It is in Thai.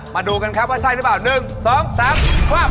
มาดูกันครับว่าใช่หรือเปล่า